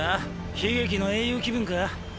悲劇の英雄気分か？